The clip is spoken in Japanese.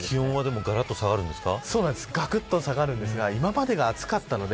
気温はがらっと下がるんですか。